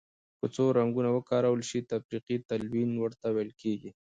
که څو رنګونه وکارول شي تفریقي تلوین ورته ویل کیږي.